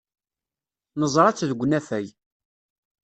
Neẓra-tt deg unafag.